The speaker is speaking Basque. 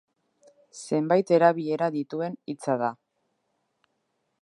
Zenbait erabilera dituen hitza da.